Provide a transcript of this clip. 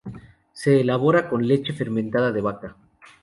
Se elabora con leche fermentada de vaca.